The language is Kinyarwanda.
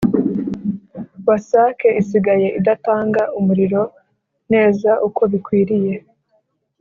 Wasake isigaye idatanga umuriro neza uko bikwiriye